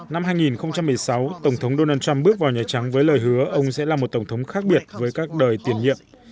năm hai nghìn một mươi sáu tổng thống donald trump bước vào nhà trắng với lời hứa ông sẽ là một tổng thống khác biệt với các đời tiền nhiệm